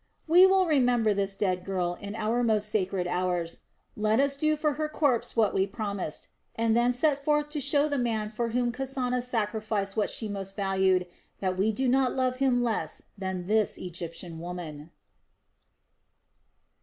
We will remember this dead girl in our most sacred hours. Let us do for her corpse what we promised, and then set forth to show the man for whom Kasana sacrificed what she most valued that we do not love him less than this Egyptian woman."